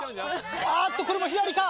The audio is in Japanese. あっとこれも左か？